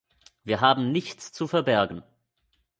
Wir haben nichts zu verbergen.